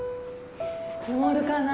積もるかな。